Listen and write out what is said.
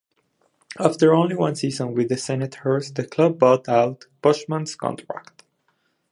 After only one season with the Senators, the club bought out Boschman's contract.